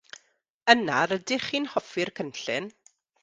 Yna rydych chi'n hoffi'r cynllun?